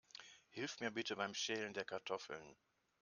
Hilf mir bitte beim Schälen der Kartoffeln.